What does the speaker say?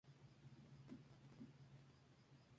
Mucha gente corre asustada hacia la calle.